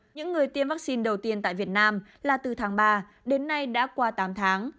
những người tiêm vaccine đầu tiên tại việt nam là từ tháng ba đến nay đã qua tám tháng